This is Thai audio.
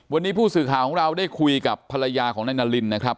วันนี้ผู้สื่อข่าวของเราได้คุยกับภรรยาของนายนารินนะครับ